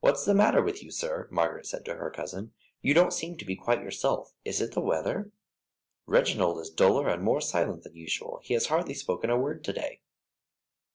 "What's the matter with you, sir?" Margaret said to her cousin. "You don't seem to be quite yourself; is it the weather? Reginald is duller and more silent than usual, he has hardly spoken a word to day."